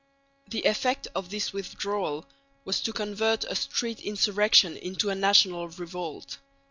The effect of this withdrawal was to convert a street insurrection into a national revolt.